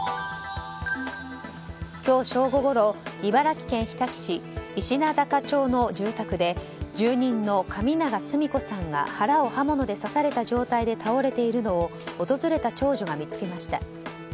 今日正午ごろ茨城県日立市石名坂町の住宅で、神長スミ子さんが腹を刃物で刺された状態で倒れているのを訪れた長女が見つけました。